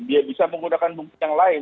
dia bisa menggunakan bukti yang lain